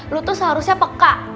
lo tuh seharusnya peka